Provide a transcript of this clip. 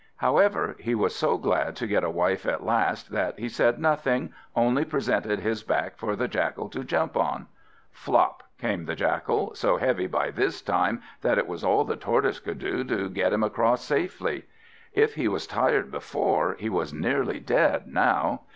However, he was so glad to get a wife at last, that he said nothing, only presented his back for the Jackal to jump on. Flop! came the Jackal, so heavy by this time that it was all the Tortoise could do to get him across safely. If he was tired before, he was nearly dead now.